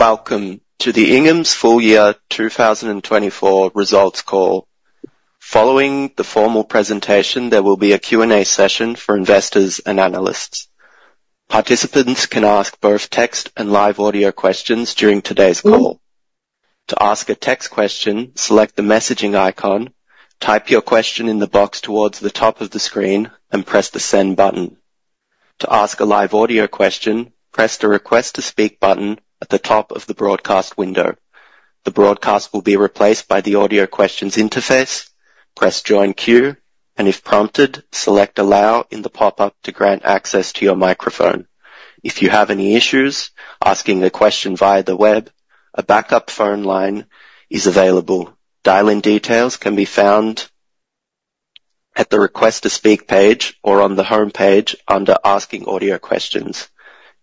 Welcome to the Inghams Full Year 2024 Results Call. Following the formal presentation, there will be a Q&A session for investors and analysts. Participants can ask both text and live audio questions during today's call. To ask a text question, select the messaging icon, type your question in the box towards the top of the screen, and press the Send button. To ask a live audio question, press the Request to Speak button at the top of the broadcast window. The broadcast will be replaced by the Audio Questions interface. Press Join Queue, and if prompted, select Allow in the pop-up to grant access to your microphone. If you have any issues asking a question via the web, a backup phone line is available. Dial-in details can be found at the Request to Speak page or on the homepage under Asking Audio Questions.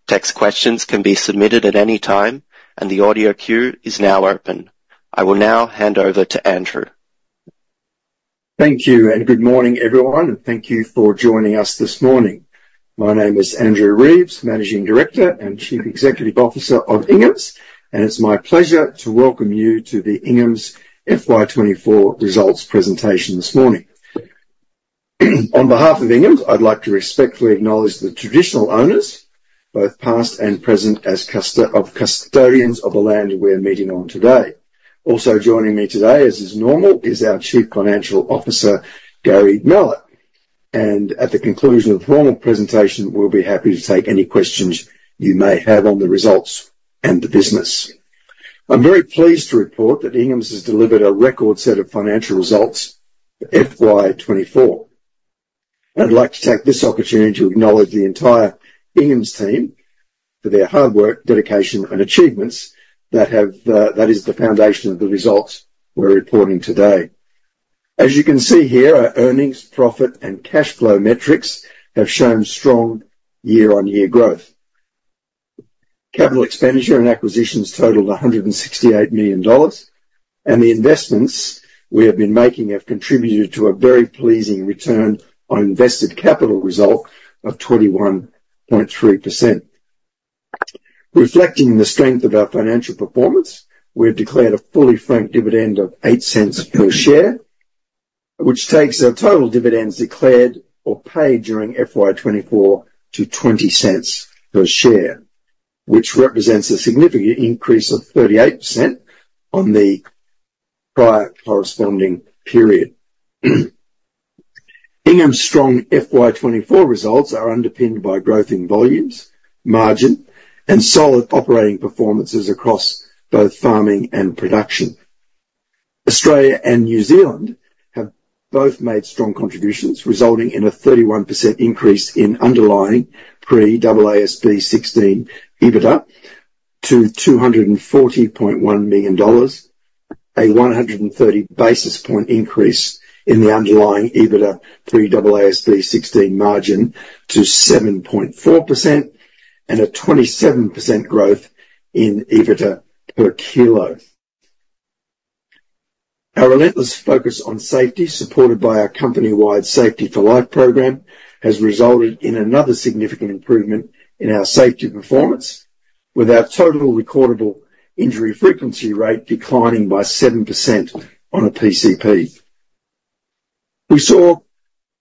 Text questions can be submitted at any time, and the audio queue is now open. I will now hand over to Andrew. Thank you, and good morning, everyone, and thank you for joining us this morning. My name is Andrew Reeves, Managing Director and Chief Executive Officer of Inghams, and it's my pleasure to welcome you to the Inghams FY 2024 results presentation this morning. On behalf of Inghams, I'd like to respectfully acknowledge the traditional owners, both past and present, as custodians of the land we're meeting on today. Also joining me today, as is normal, is our Chief Financial Officer, Gary Mallett. And at the conclusion of the formal presentation, we'll be happy to take any questions you may have on the results and the business. I'm very pleased to report that Inghams has delivered a record set of financial results for FY 2024. I'd like to take this opportunity to acknowledge the entire Inghams team for their hard work, dedication, and achievements that have, that is the foundation of the results we're reporting today. As you can see here, our earnings, profit, and cash flow metrics have shown strong year-on-year growth. Capital expenditure and acquisitions totaled 168 million dollars, and the investments we have been making have contributed to a very pleasing return on invested capital result of 21.3%. Reflecting the strength of our financial performance, we have declared a fully franked dividend of 0.08 per share, which takes our total dividends declared or paid during FY 2024 to 0.20 per share, which represents a significant increase of 38% on the prior corresponding period. Inghams' strong FY 2024 results are underpinned by growth in volumes, margin, and solid operating performances across both farming and production. Australia and New Zealand have both made strong contributions, resulting in a 31% increase in underlying pre-AASB 16 EBITDA to 240.1 million dollars, a 130-basis point increase in the underlying EBITDA pre-AASB 16 margin to 7.4% and a 27% growth in EBITDA per kilo. Our relentless focus on safety, supported by our company-wide Safety for Life program, has resulted in another significant improvement in our safety performance, with our total recordable injury frequency rate declining by 7% on a PCP. We saw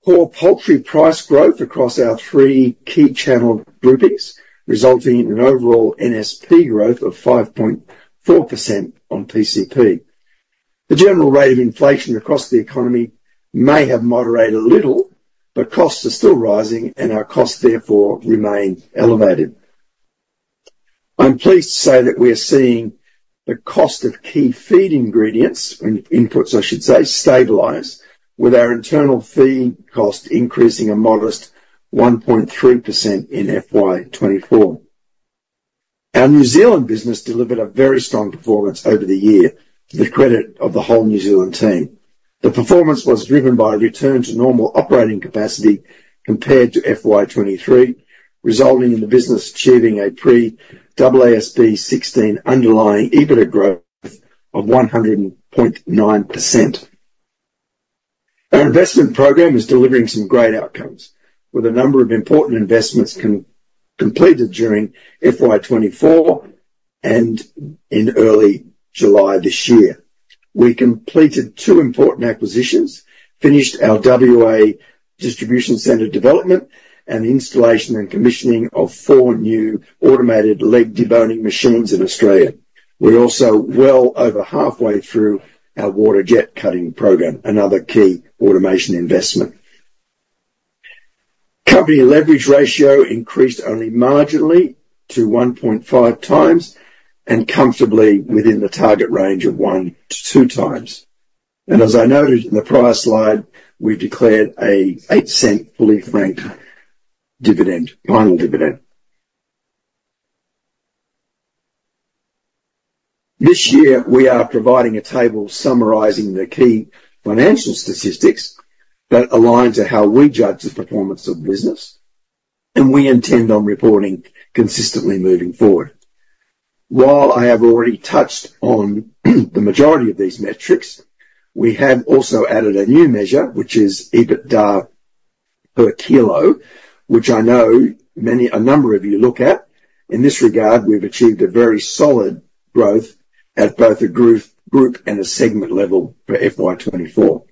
core poultry price growth across our three key channel groupings, resulting in an overall NSP growth of 5.4% on PCP. The general rate of inflation across the economy may have moderated a little, but costs are still rising and our costs therefore remain elevated. I'm pleased to say that we are seeing the cost of key feed ingredients and inputs, I should say, stabilize, with our internal feed cost increasing a modest 1.3% in FY 2024. Our New Zealand business delivered a very strong performance over the year to the credit of the whole New Zealand team. The performance was driven by a return to normal operating capacity compared to FY 2023, resulting in the business achieving a pre-AASB 16 underlying EBITDA growth of 100.9%. Our investment program is delivering some great outcomes with a number of important investments completed during FY 2024 and in early July this year. We completed two important acquisitions, finished our WA distribution center development and installation and commissioning of four new automated leg deboning machines in Australia. We're also well over halfway through our water jet cutting program, another key automation investment. Company leverage ratio increased only marginally to 1.5x and comfortably within the target range of 1x-2x. As I noted in the prior slide, we've declared an 0.08 fully franked final dividend. This year, we are providing a table summarizing the key financial statistics that align to how we judge the performance of the business, and we intend on reporting consistently moving forward. While I have already touched on the majority of these metrics, we have also added a new measure, which is EBITDA per kilo, which I know many, a number of you look at. In this regard, we've achieved a very solid growth at both a group and a segment level for FY 2024.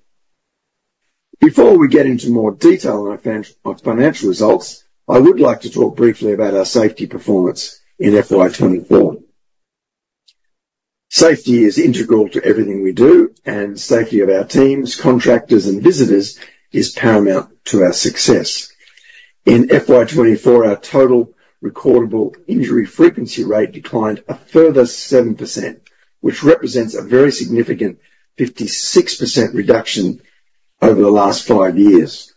Before we get into more detail on our financial results, I would like to talk briefly about our safety performance in FY 2024. Safety is integral to everything we do, and safety of our teams, contractors, and visitors is paramount to our success. In FY 2024, our total recordable injury frequency rate declined a further 7%, which represents a very significant 56% reduction over the last five years.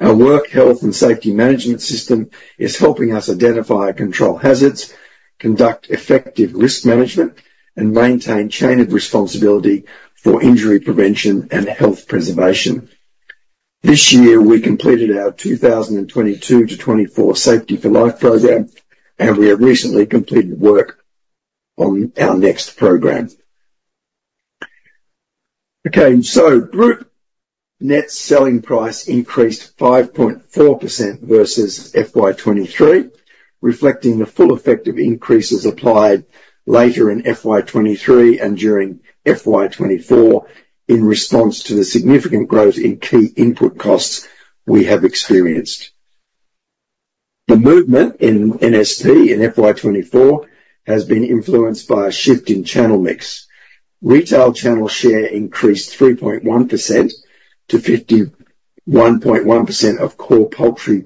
Our work, health, and safety management system is helping us identify and control hazards, conduct effective risk management, and maintain chain of responsibility for injury prevention and health preservation. This year, we completed our 2022 to 2024 Safety for Life program, and we have recently completed work on our next program. Okay, so group net selling price increased 5.4% versus FY 2023, reflecting the full effect of increases applied later in FY 2023 and during FY 2024 in response to the significant growth in key input costs we have experienced. The movement in NSP in FY 2024 has been influenced by a shift in channel mix. Retail channel share increased 3.1% to 51.1% of core poultry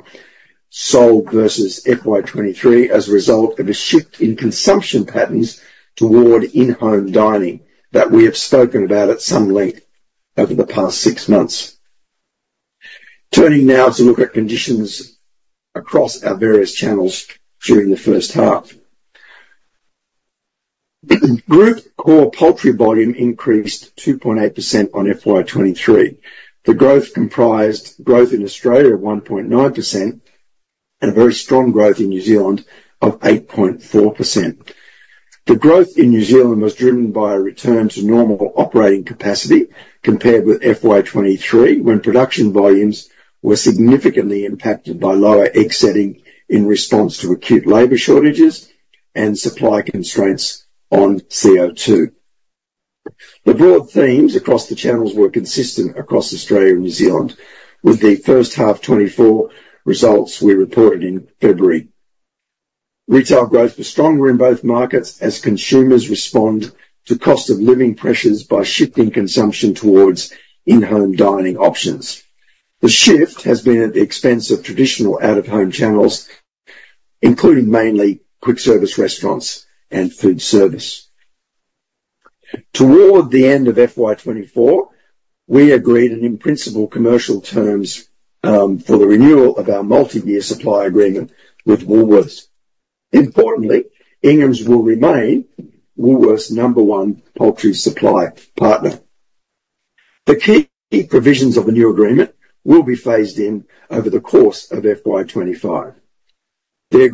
sold versus FY 2023 as a result of a shift in consumption patterns toward in-home dining that we have spoken about at some length over the past six months. Turning now to look at conditions across our various channels during the first half. Group core poultry volume increased 2.8% on FY 2023. The growth comprised growth in Australia of 1.9% and a very strong growth in New Zealand of 8.4%. The growth in New Zealand was driven by a return to normal operating capacity compared with FY 2023, when production volumes were significantly impacted by lower egg setting in response to acute labor shortages and supply constraints on CO2. The broad themes across the channels were consistent across Australia and New Zealand, with the first half 2024 results we reported in February. Retail growth was stronger in both markets as consumers respond to cost-of-living pressures by shifting consumption towards in-home dining options. The shift has been at the expense of traditional out-of-home channels, including mainly quick-service restaurants and food service. Toward the end of FY 2024, we agreed on in-principle commercial terms for the renewal of our multi-year supply agreement with Woolworths. Importantly, Inghams will remain Woolworths' number one poultry supply partner. The key provisions of the new agreement will be phased in over the course of FY 2025. The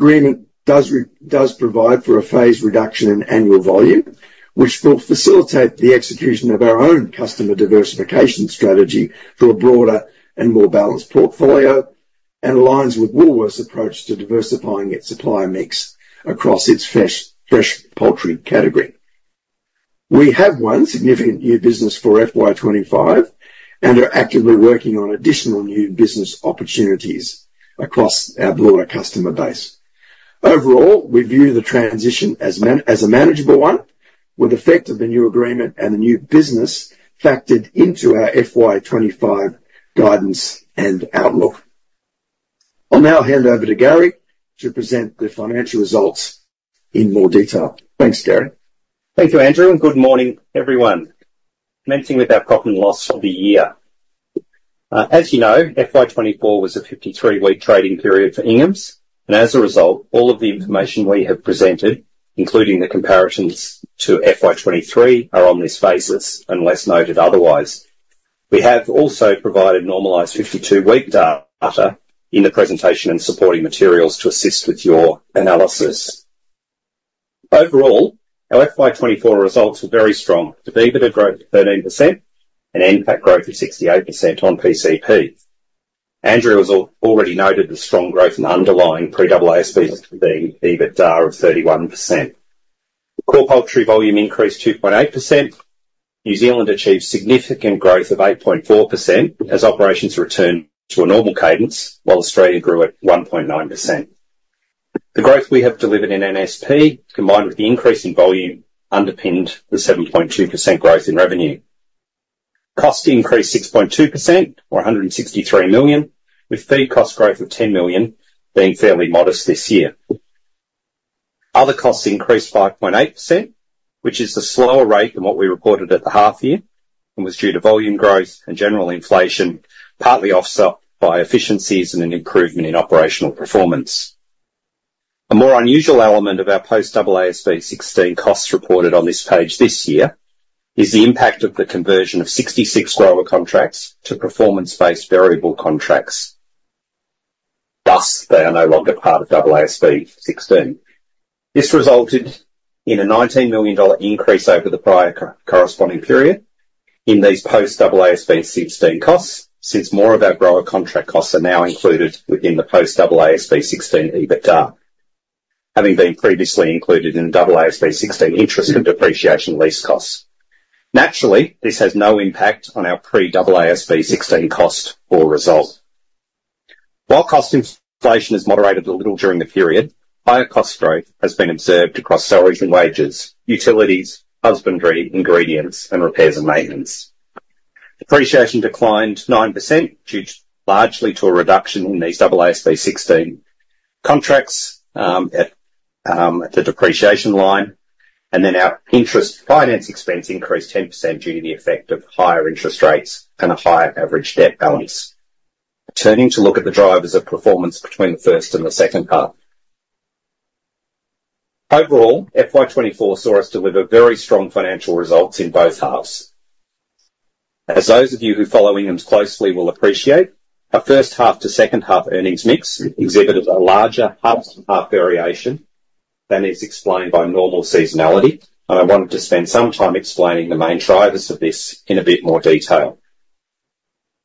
agreement does provide for a phased reduction in annual volume, which will facilitate the execution of our own customer diversification strategy for a broader and more balanced portfolio and aligns with Woolworths' approach to diversifying its supply mix across its fresh poultry category. We have won significant new business for FY 2025 and are actively working on additional new business opportunities across our broader customer base. Overall, we view the transition as a manageable one, with effect of the new agreement and the new business factored into our FY 2025 guidance and outlook. I'll now hand over to Gary to present the financial results in more detail. Thanks, Gary. Thank you, Andrew, and good morning, everyone. Commencing with our profit and loss for the year. As you know, FY 2024 was a 53-week trading period for Inghams, and as a result, all of the information we have presented, including the comparisons to FY 2023, are on this basis, unless noted otherwise. We have also provided normalized 52-week data in the presentation and supporting materials to assist with your analysis. Overall, our FY 2024 results were very strong, with EBITDA growth of 13% and NPAT growth of 68% on PCP. Andrew has already noted the strong growth in underlying pre-AASB 16 EBITDA of 31%. Core poultry volume increased 2.8%. New Zealand achieved significant growth of 8.4% as operations returned to a normal cadence, while Australia grew at 1.9%. The growth we have delivered in NSP, combined with the increase in volume, underpinned the 7.2% growth in revenue. Cost increased 6.2%, or 163 million, with feed cost growth of 10 million being fairly modest this year. Other costs increased 5.8%, which is a slower rate than what we reported at the half year and was due to volume growth and general inflation, partly offset by efficiencies and an improvement in operational performance. A more unusual element of our post-AASB 16 costs reported on this page this year is the impact of the conversion of 66 grower contracts to performance-based variable contracts. Thus, they are no longer part of AASB 16. This resulted in a 19 million dollar increase over the prior corresponding period in these post-AASB 16 costs, since more of our grower contract costs are now included within the post-AASB 16 EBITDA, having been previously included in AASB 16 interest and depreciation lease costs. Naturally, this has no impact on our pre-AASB 16 cost or result. While cost inflation has moderated a little during the period, higher cost growth has been observed across salaries and wages, utilities, husbandry, ingredients, and repairs and maintenance. Depreciation declined 9% due largely to a reduction in these AASB 16 contracts, the depreciation line, and then our interest finance expense increased 10% due to the effect of higher interest rates and a higher average debt balance. Turning to look at the drivers of performance between the first and the second half. Overall, FY 2024 saw us deliver very strong financial results in both halves. As those of you who follow Inghams' closely will appreciate, our first half to second half earnings mix exhibited a larger half-to-half variation than is explained by normal seasonality, and I wanted to spend some time explaining the main drivers of this in a bit more detail.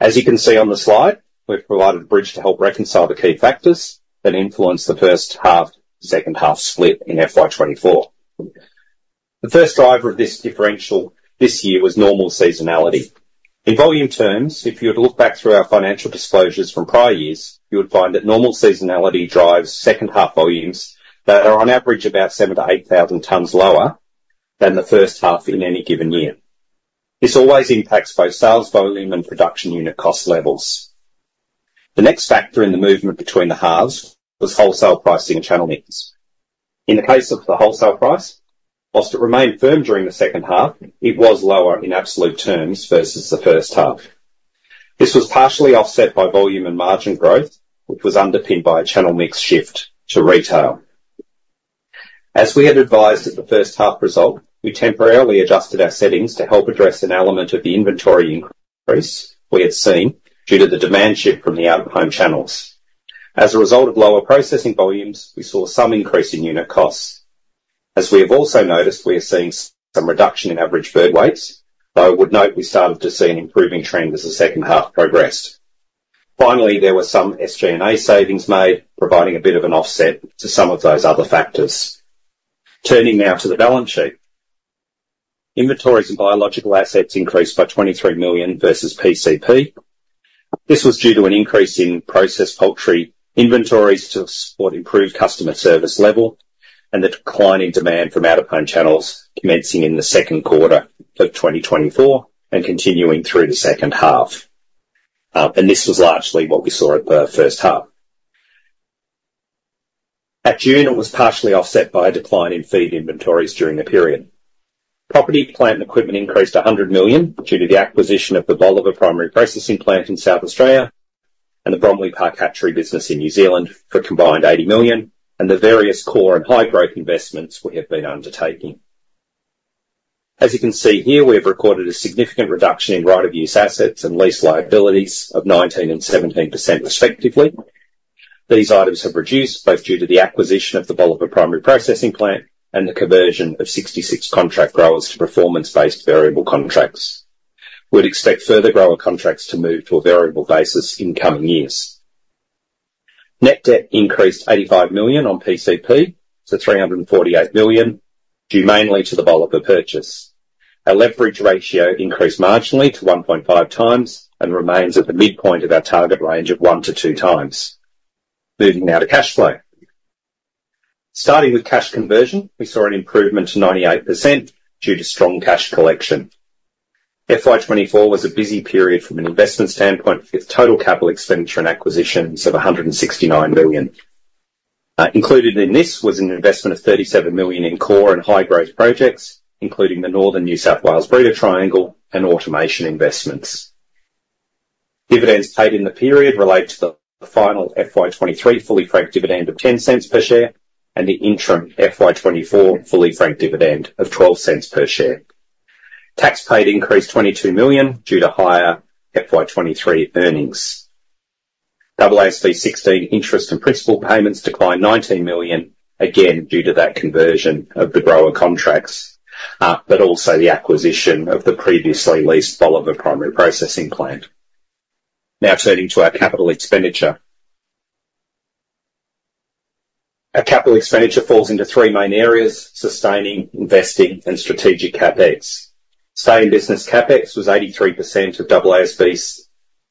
As you can see on the slide, we've provided a bridge to help reconcile the key factors that influenced the first half, second half split in FY 2024. The first driver of this differential this year was normal seasonality. In volume terms, if you were to look back through our financial disclosures from prior years, you would find that normal seasonality drives second half volumes that are on average about 7,000-8,000 tons lower than the first half in any given year. This always impacts both sales volume and production unit cost levels. The next factor in the movement between the halves was wholesale pricing and channel mix. In the case of the wholesale price, while it remained firm during the second half, it was lower in absolute terms versus the first half. This was partially offset by volume and margin growth, which was underpinned by a channel mix shift to retail. As we had advised at the first half result, we temporarily adjusted our settings to help address an element of the inventory increase we had seen due to the demand shift from the out-of-home channels. As a result of lower processing volumes, we saw some increase in unit costs. As we have also noticed, we are seeing some reduction in average bird weights, though I would note we started to see an improving trend as the second half progressed. Finally, there were some SG&A savings made, providing a bit of an offset to some of those other factors. Turning now to the balance sheet. Inventories and biological assets increased by 23 million versus PCP. This was due to an increase in processed poultry inventories to support improved customer service level and the decline in demand from out-of-home channels commencing in the second quarter of 2024 and continuing through the second half. And this was largely what we saw at the first half. At June, it was partially offset by a decline in feed inventories during the period. Property, plant, and equipment increased 100 million due to the acquisition of the Bolivar primary processing plant in South Australia and the Bromley Park Hatcheries business in New Zealand for a combined 80 million, and the various core and high-growth investments we have been undertaking. As you can see here, we have recorded a significant reduction in right of use assets and lease liabilities of 19% and 17% respectively. These items have reduced, both due to the acquisition of the Bolivar primary processing plant and the conversion of 66 contract growers to performance-based variable contracts. We'd expect further grower contracts to move to a variable basis in coming years. Net debt increased 85 million on PCP to 348 million, due mainly to the Bolivar purchase. Our leverage ratio increased marginally to 1.5x and remains at the midpoint of our target range of 1x-2x. Moving now to cash flow. Starting with cash conversion, we saw an improvement to 98% due to strong cash collection. FY 2024 was a busy period from an investment standpoint, with total capital expenditure and acquisitions of AUD 169 million. Included in this was an investment of AUD 37 million in core and high-growth projects, including the Northern New South Wales Breeder Triangle and automation investments. Dividends paid in the period relate to the final FY 2023 fully franked dividend of 0.10 per share, and the interim FY 2024 fully franked dividend of 0.12 per share. Tax paid increased AUD 22 million due to higher FY 2023 earnings. AASB 16 interest and principal payments declined 19 million, again due to that conversion of the grower contracts, but also the acquisition of the previously leased Bolivar primary processing plant. Now, turning to our capital expenditure. Our capital expenditure falls into three main areas: sustaining, investing, and strategic CapEx. Staying in business CapEx was 83% of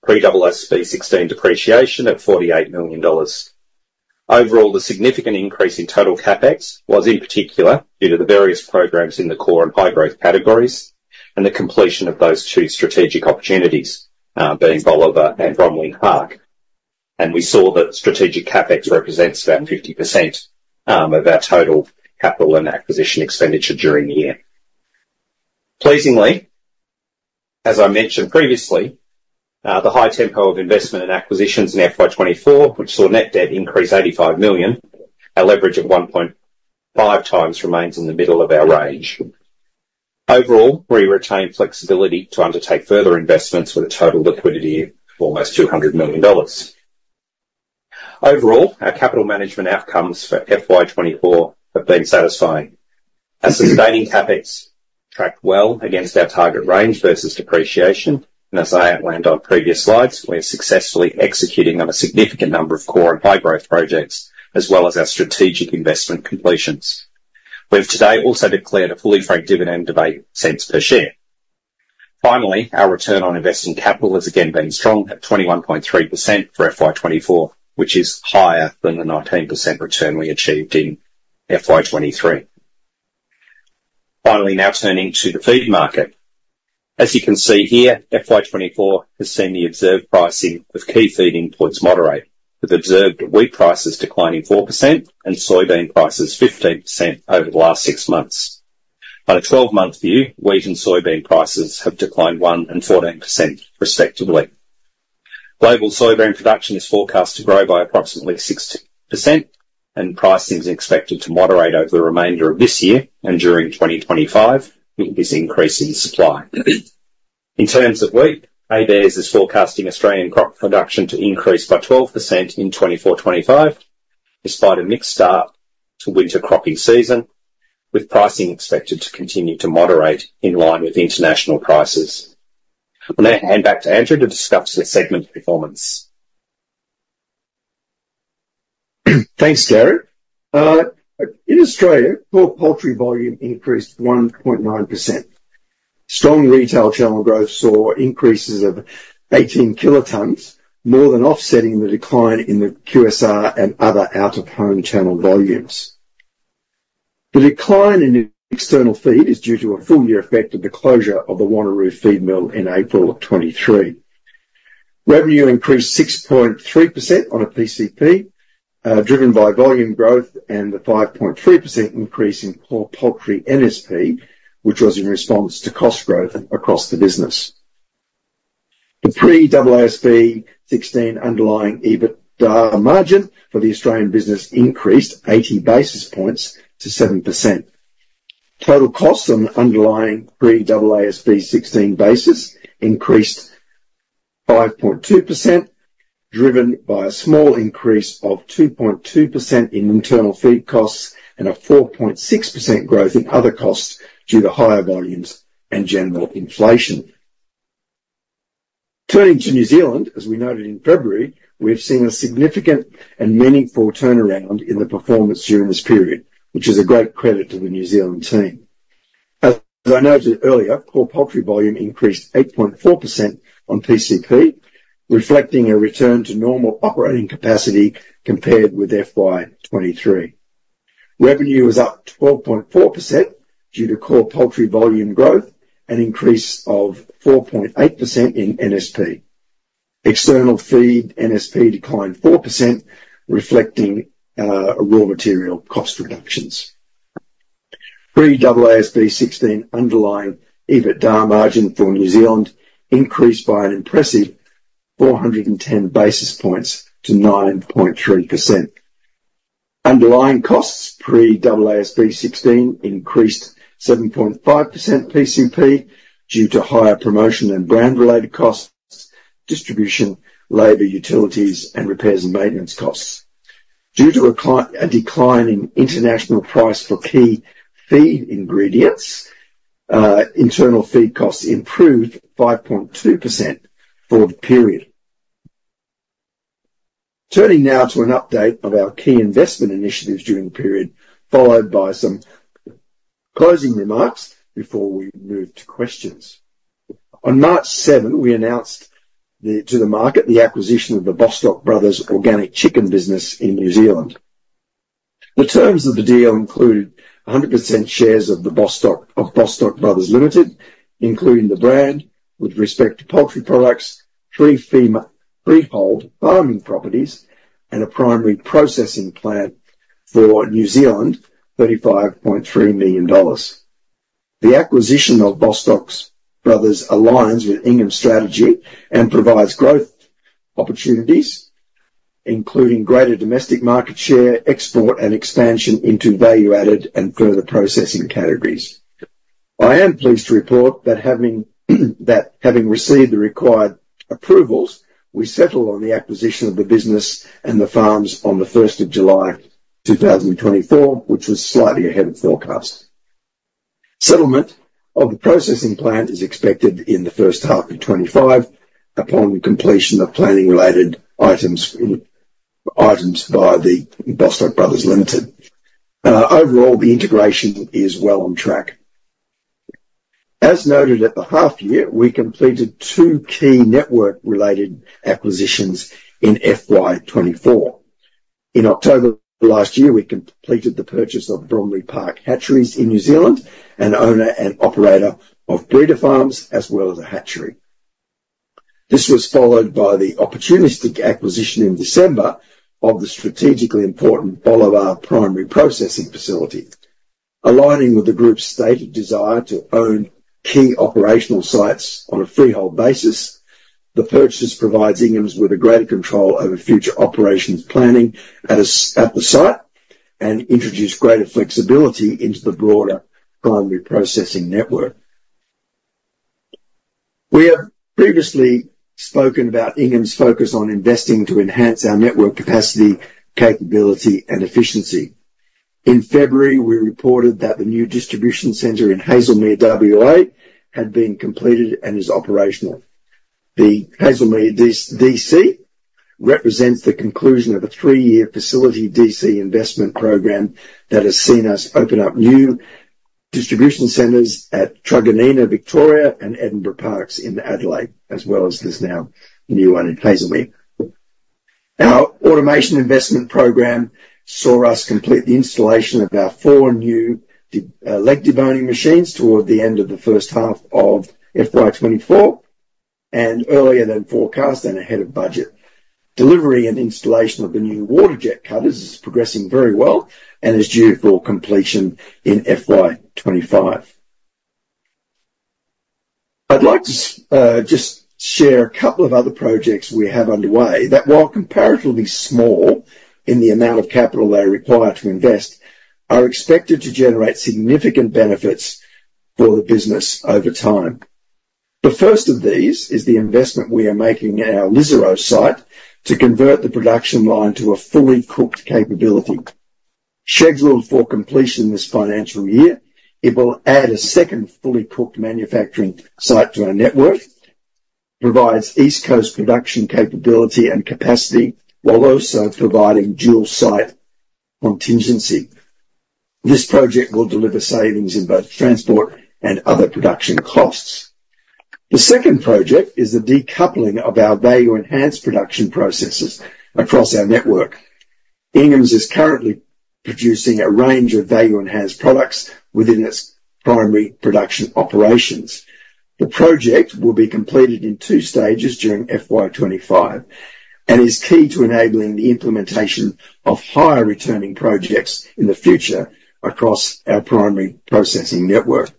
pre-AASB 16 depreciation at AUD 48 million. Overall, the significant increase in total CapEx was in particular due to the various programs in the core and high-growth categories and the completion of those two strategic opportunities, being Bolivar and Bromley Park. And we saw that strategic CapEx represents about 50% of our total capital and acquisition expenditure during the year. Pleasingly, as I mentioned previously, the high tempo of investment and acquisitions in FY 2024, which saw net debt increase 85 million, our leverage of 1.5x remains in the middle of our range. Overall, we retain flexibility to undertake further investments with a total liquidity of almost 200 million dollars. Overall, our capital management outcomes for FY 2024 have been satisfying. Our sustaining CapEx tracked well against our target range versus depreciation, and as I outlined on previous slides, we are successfully executing on a significant number of core and high-growth projects, as well as our strategic investment completions. We've today also declared a fully franked dividend of 0.08 per share. Finally, our return on invested capital has again been strong at 21.3% for FY 2024, which is higher than the 19% return we achieved in FY 2023. Finally, now turning to the feed market. As you can see here, FY 2024 has seen the observed pricing of key feed inputs moderate, with observed wheat prices declining 4% and soybean prices 15% over the last six months. On a twelve-month view, wheat and soybean prices have declined 1% and 14%, respectively. Global soybean production is forecast to grow by approximately 16%, and pricing is expected to moderate over the remainder of this year and during 2025 with this increase in supply. In terms of wheat, ABARES is forecasting Australian crop production to increase by 12% in 2024-2025, despite a mixed start to winter cropping season, with pricing expected to continue to moderate in line with international prices. I'm going to hand back to Andrew to discuss the segment performance. Thanks, Gary. In Australia, core poultry volume increased 1.9%. Strong retail channel growth saw increases of 18 kilotons, more than offsetting the decline in the QSR and other out-of-home channel volumes. The decline in external feed is due to a full year effect of the closure of the Wanneroo feed mill in April of 2023. Revenue increased 6.3% on a PCP, driven by volume growth and the 5.3% increase in core poultry NSP, which was in response to cost growth across the business. The pre-AASB 16 underlying EBITDA margin for the Australian business increased 80 basis points to 7%. Total costs on the underlying pre-AASB 16 basis increased 5.2%, driven by a small increase of 2.2% in internal feed costs and a 4.6% growth in other costs due to higher volumes and general inflation. Turning to New Zealand, as we noted in February, we have seen a significant and meaningful turnaround in the performance during this period, which is a great credit to the New Zealand team. As I noted earlier, core poultry volume increased 8.4% on PCP, reflecting a return to normal operating capacity compared with FY 2023. Revenue is up 12.4% due to core poultry volume growth, an increase of 4.8% in NSP. External feed NSP declined 4%, reflecting raw material cost reductions. Pre-AASB 16 underlying EBITDA margin for New Zealand increased by an impressive 410 basis points to 9.3%. Underlying costs pre-AASB 16 increased 7.5% PCP due to higher promotion and brand-related costs, distribution, labor, utilities, and repairs and maintenance costs. Due to a decline in international price for key feed ingredients, internal feed costs improved 5.2% for the period. Turning now to an update of our key investment initiatives during the period, followed by some closing remarks before we move to questions. On March seventh, we announced to the market the acquisition of the Bostock Brothers Organic Chicken business in New Zealand. The terms of the deal include 100% shares of Bostock Brothers Limited, including the brand with respect to poultry products, three freehold farming properties, and a primary processing plant for New Zealand, 35.3 million dollars. The acquisition of Bostock Brothers aligns with Inghams' strategy and provides growth opportunities, including greater domestic market share, export and expansion into value-added and further processing categories. I am pleased to report that having received the required approvals, we settled on the acquisition of the business and the farms on the 1st of July, 2024, which was slightly ahead of forecast. Settlement of the processing plant is expected in the first half of 2025 upon completion of planning-related items via Bostock Brothers Limited. Overall, the integration is well on track. As noted at the half year, we completed two key network-related acquisitions in FY 2024. In October last year, we completed the purchase of Bromley Park Hatcheries in New Zealand, an owner and operator of breeder farms, as well as a hatchery. This was followed by the opportunistic acquisition in December of the strategically important Bolivar primary processing facility, aligning with the group's stated desire to own key operational sites on a freehold basis. The purchase provides Inghams with greater control over future operations planning at the site and introduces greater flexibility into the broader primary processing network. We have previously spoken about Inghams' focus on investing to enhance our network capacity, capability, and efficiency. In February, we reported that the new distribution center in Hazelmere, WA, had been completed and is operational. The Hazelmere DC represents the conclusion of a three-year facility DC investment program that has seen us open up new distribution centers at Truganina, Victoria, and Edinburgh Parks in Adelaide, as well as this now new one in Hazelmere. Our automation investment program saw us complete the installation of our four new leg deboning machines toward the end of the first half of FY 2024 and earlier than forecast and ahead of budget. Delivery and installation of the new waterjet cutters is progressing very well and is due for completion in FY 2025. I'd like to just share a couple of other projects we have underway, that while comparatively small in the amount of capital they require to invest, are expected to generate significant benefits for the business over time. The first of these is the investment we are making at our Lisarow site to convert the production line to a fully cooked capability. Scheduled for completion this financial year, it will add a second fully cooked manufacturing site to our network, provides East Coast production capability and capacity, while also providing dual-site contingency. This project will deliver savings in both transport and other production costs. The second project is the decoupling of our value-enhanced production processes across our network. Inghams is currently producing a range of value-enhanced products within its primary production operations. The project will be completed in two stages during FY 2025 and is key to enabling the implementation of higher-returning projects in the future across our primary processing network.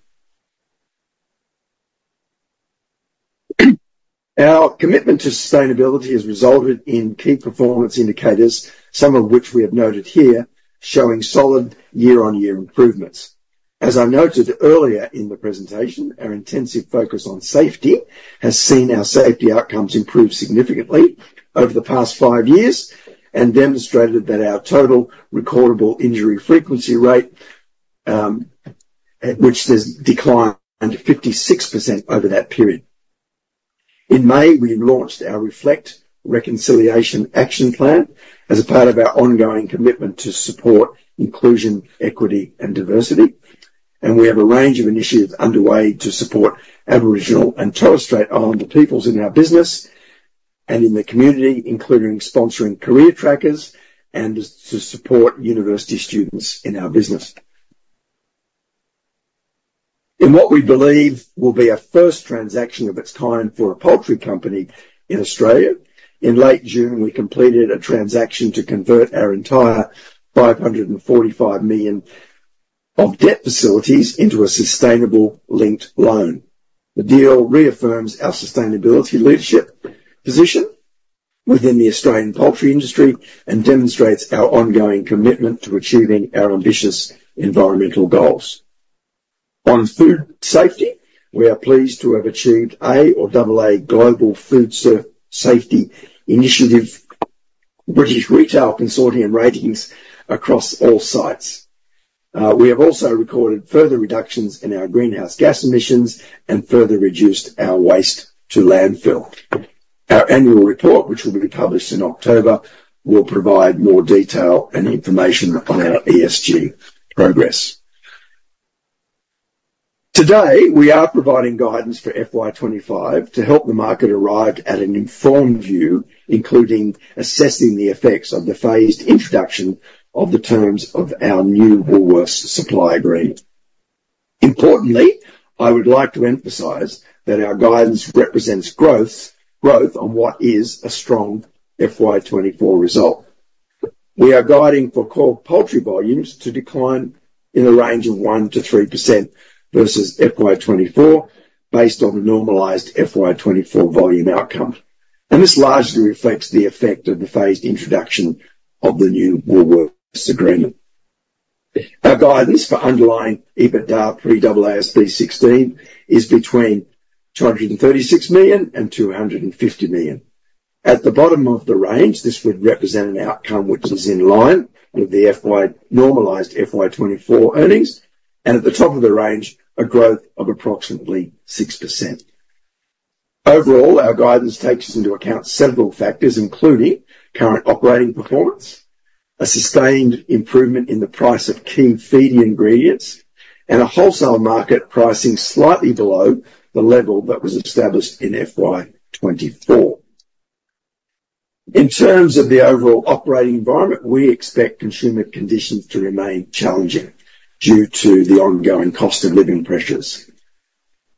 Our commitment to sustainability has resulted in key performance indicators, some of which we have noted here, showing solid year-on-year improvements. As I noted earlier in the presentation, our intensive focus on safety has seen our safety outcomes improve significantly over the past five years and demonstrated that our Total Recordable Injury Frequency Rate, at which there's declined 56% over that period. In May, we launched our Reflect Reconciliation Action Plan as a part of our ongoing commitment to support inclusion, equity, and diversity, and we have a range of initiatives underway to support Aboriginal and Torres Strait Islander peoples in our business and in the community, including sponsoring CareerTrackers to support university students in our business. In what we believe will be a first transaction of its kind for a poultry company in Australia, in late June, we completed a transaction to convert our entire 545 million of debt facilities into a sustainable linked loan. The deal reaffirms our sustainability leadership position within the Australian poultry industry and demonstrates our ongoing commitment to achieving our ambitious environmental goals. On food safety, we are pleased to have achieved A or AA Global Food Safety Initiative, British Retail Consortium ratings across all sites. We have also recorded further reductions in our greenhouse gas emissions and further reduced our waste to landfill. Our annual report, which will be published in October, will provide more detail and information on our ESG progress. Today, we are providing guidance for FY 2025 to help the market arrive at an informed view, including assessing the effects of the phased introduction of the terms of our new Woolworths supply agreement. Importantly, I would like to emphasize that our guidance represents growth, growth on what is a strong FY 2024 result. We are guiding for core poultry volumes to decline in a range of 1%-3% versus FY 2024, based on a normalized FY 2024 volume outcome. This largely reflects the effect of the phased introduction of the new Woolworths agreement. Our guidance for underlying EBITDA pre-AASB 16 is between 236 million and 250 million. At the bottom of the range, this would represent an outcome which is in line with the FY normalized FY 2024 earnings, and at the top of the range, a growth of approximately 6%. Overall, our guidance takes into account several factors, including current operating performance, a sustained improvement in the price of key feed ingredients, and a wholesale market pricing slightly below the level that was established in FY 2024. In terms of the overall operating environment, we expect consumer conditions to remain challenging due to the ongoing cost of living pressures,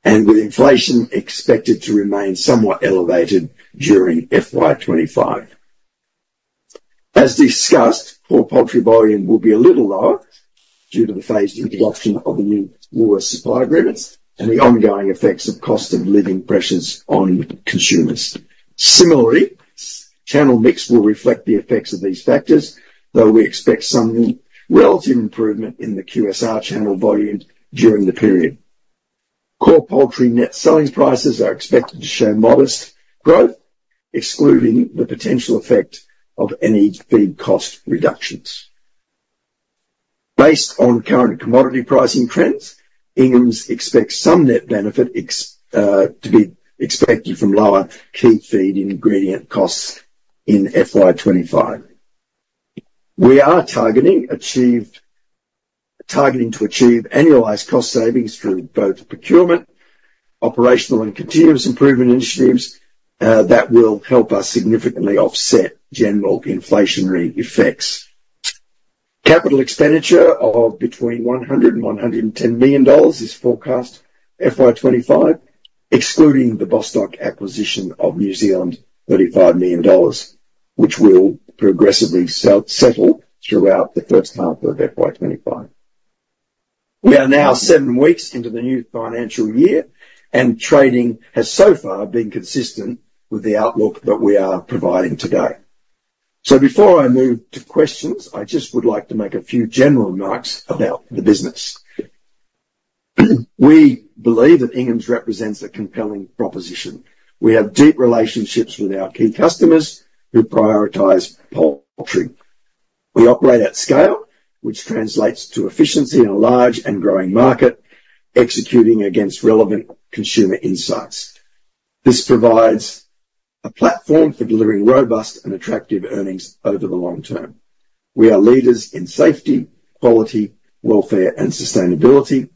and with inflation expected to remain somewhat elevated during FY 2025. As discussed, core poultry volume will be a little lower due to the phased introduction of the new lower supply agreements and the ongoing effects of cost-of-living pressures on consumers. Similarly, channel mix will reflect the effects of these factors, though we expect some relative improvement in the QSR channel volumes during the period. Core poultry net selling prices are expected to show modest growth, excluding the potential effect of any feed cost reductions. Based on current commodity pricing trends, Inghams expects some net benefit to be expected from lower key feed ingredient costs in FY 2025. We are targeting to achieve annualized cost savings through both procurement, operational and continuous improvement initiatives that will help us significantly offset general inflationary effects. Capital expenditure of between 100 million dollars and 110 million dollars is forecast FY 2025, excluding the Bostock acquisition of New Zealand, AUD 35 million, which will progressively settle throughout the first half of FY 2025. We are now seven weeks into the new financial year, and trading has so far been consistent with the outlook that we are providing today. So before I move to questions, I just would like to make a few general remarks about the business. We believe that Inghams represents a compelling proposition. We have deep relationships with our key customers who prioritize poultry. We operate at scale, which translates to efficiency in a large and growing market, executing against relevant consumer insights. This provides a platform for delivering robust and attractive earnings over the long term. We are leaders in safety, quality, welfare, and sustainability,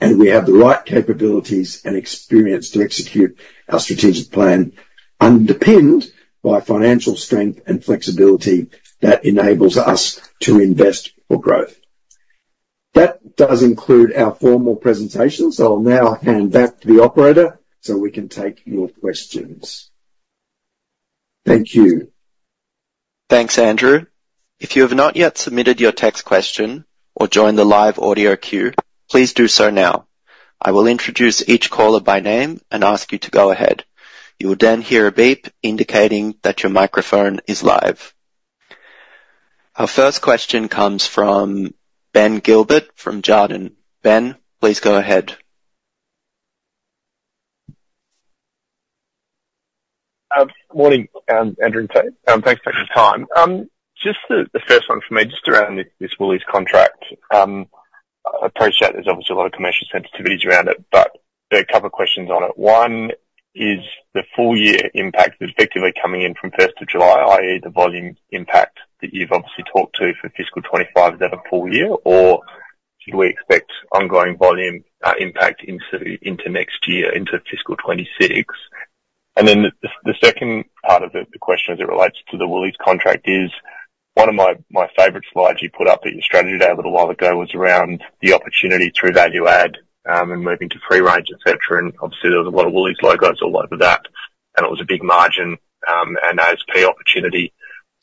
and we have the right capabilities and experience to execute our strategic plan, underpinned by financial strength and flexibility that enables us to invest for growth. That does conclude our formal presentation, so I'll now hand back to the operator so we can take your questions. Thank you. Thanks, Andrew. If you have not yet submitted your text question or joined the live audio queue, please do so now. I will introduce each caller by name and ask you to go ahead. You will then hear a beep indicating that your microphone is live. Our first question comes from Ben Gilbert from Jarden. Ben, please go ahead. Morning, Andrew, and thanks for your time. Just the first one for me, just around this Woolies contract. I appreciate there's obviously a lot of commercial sensitivities around it, but there are a couple of questions on it. One, is the full year impact effectively coming in from first of July, i.e., the volume impact that you've obviously talked to for fiscal 2025, is that a full year, or should we expect ongoing volume impact into next year, into fiscal 2026? And then the second part of the question, as it relates to the Woolies contract, is one of my favorite slides you put up at your strategy day a little while ago was around the opportunity through value add, and moving to free range, et cetera, and obviously there was a lot of Woolies logos all over that, and it was a big margin, and ASP opportunity.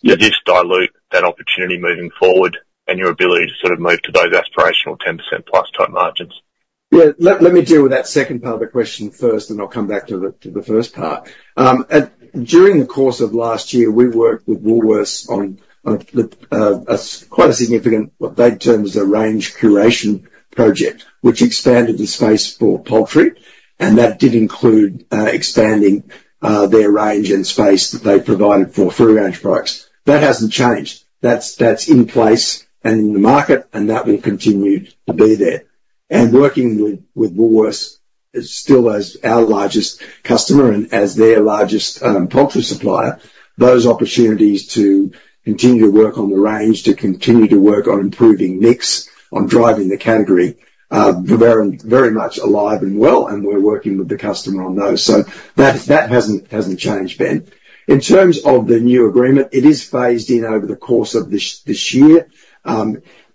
Did this dilute that opportunity moving forward and your ability to sort of move to those aspirational 10%+ type margins? Yeah. Let me deal with that second part of the question first, and I'll come back to the first part. During the course of last year, we worked with Woolworths on a quite significant, what they term as a range curation project, which expanded the space for poultry, and that did include expanding their range and space that they provided for free-range products. That hasn't changed. That's in place and in the market, and that will continue to be there. Working with Woolworths is still as our largest customer and as their largest poultry supplier, those opportunities to continue to work on the range, to continue to work on improving mix, on driving the category, are very, very much alive and well, and we're working with the customer on those. So that hasn't changed, Ben. In terms of the new agreement, it is phased in over the course of this year.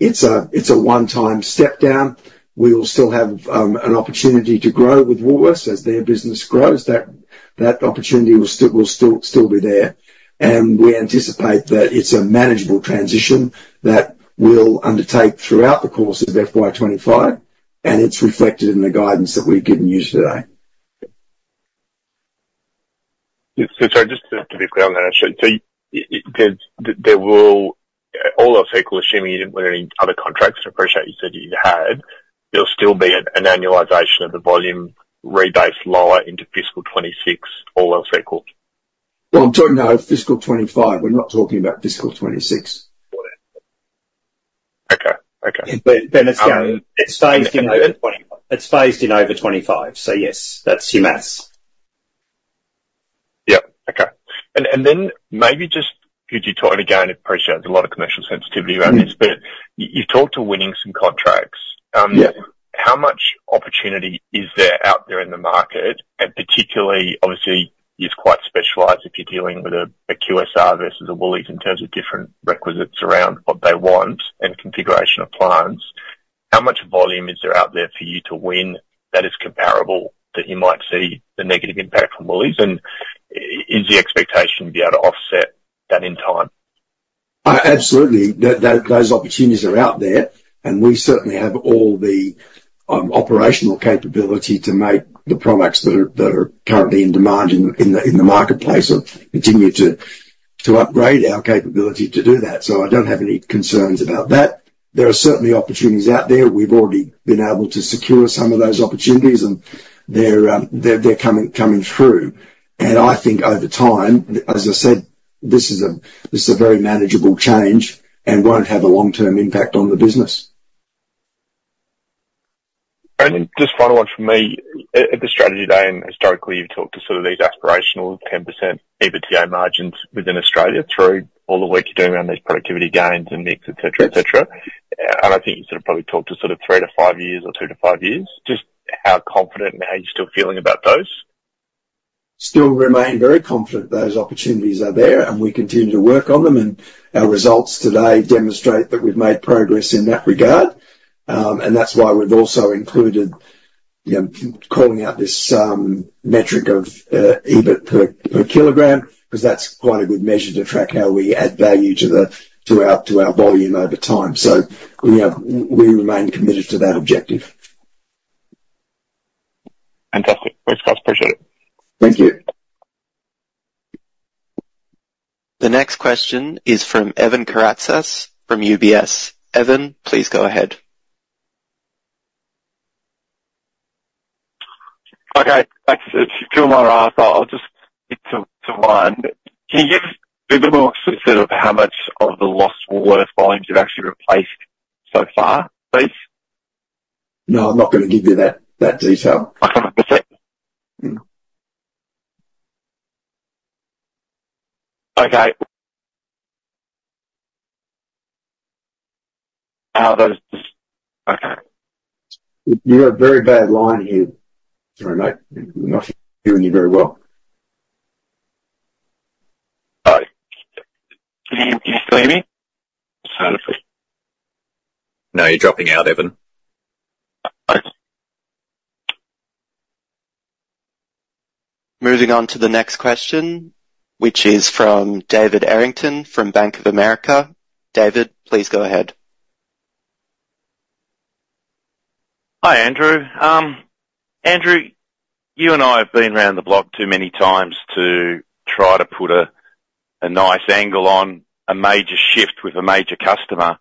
It's a one-time step down. We will still have an opportunity to grow with Woolworths as their business grows. That opportunity will still be there, and we anticipate that it's a manageable transition that we'll undertake throughout the course of FY 2025, and it's reflected in the guidance that we've given you today. So sorry, just to be clear on that, so yeah, there will. All else equal, assuming you didn't win any other contracts, I appreciate you said you'd had, there'll still be an annualization of the volume rebased lower into fiscal 2026, all else equal? I'm talking about fiscal 2025. We're not talking about fiscal 2026. Okay. Okay. Ben, it's going- It's phased in- It's phased in over 2025, so yes, that's correct. Yes. Yep, okay. And then maybe just could you talk again. I appreciate there's a lot of commercial sensitivity around this, but you've talked to winning some contracts. Yes. How much opportunity is there out there in the market, and particularly, obviously, it's quite specialized if you're dealing with a QSR versus a Woolies in terms of different requisites around what they want and configuration of plans? How much volume is there out there for you to win that is comparable, that you might see the negative impact from Woolies? And is the expectation to be able to offset that in time? Absolutely. Those opportunities are out there, and we certainly have all the operational capability to make the products that are currently in demand in the marketplace, and continue to upgrade our capability to do that, so I don't have any concerns about that. There are certainly opportunities out there. We've already been able to secure some of those opportunities, and they're coming through, and I think over time, as I said, this is a very manageable change and won't have a long-term impact on the business. And then just final one from me. At the strategy day, and historically, you've talked to sort of these aspirational 10% EBITDA margins within Australia through all the work you're doing around these productivity gains and mix, et cetera, et cetera. And I think you sort of probably talked to sort of three to five years or two to five years. Just how confident now are you still feeling about those? Still remain very confident those opportunities are there, and we continue to work on them, and our results today demonstrate that we've made progress in that regard, and that's why we've also included, you know, calling out this metric of EBIT per kilogram, 'cause that's quite a good measure to track how we add value to our volume over time. So, you know, we remain committed to that objective. Fantastic. Thanks, guys, appreciate it. Thank you. The next question is from Evan Karatzas from UBS. Evan, please go ahead. Okay, thanks. It's two more hours, so I'll just get to one. Can you give us a bit more specific of how much of the lost Woolworths volumes you've actually replaced so far, please? No, I'm not gonna give you that, that detail. I have to say? No. Okay. That's just... Okay. You have a very bad line here. Sorry, mate, I'm not hearing you very well. All right. Can you, can you hear me perfectly? No, you're dropping out, Evan. All right. Moving on to the next question, which is from David Errington from Bank of America. David, please go ahead. Hi, Andrew. Andrew, you and I have been around the block too many times to try to put a nice angle on a major shift with a major customer.